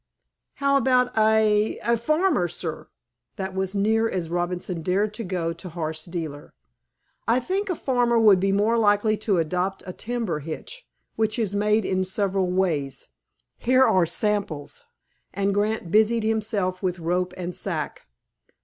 "How about a—a farmer, sir?" That was as near as Robinson dared to go to "horse dealer." "I think a farmer would be more likely to adopt a timber hitch, which is made in several ways. Here are samples." And Grant busied himself with rope and sack.